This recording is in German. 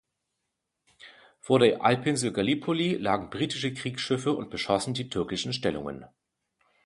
Vor der Halbinsel Gallipoli lagen britische Kriegsschiffe und beschossen die türkischen Stellungen.